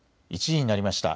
１時になりました。